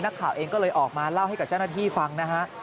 นักข่าวเองก็เลยออกมาเล่าให้กับเจ้าหน้าที่ฟังนะฮะ